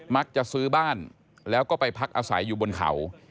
มักจะซื้อบ้านแล้วก็ไปพักอาศัยอยู่บนเขา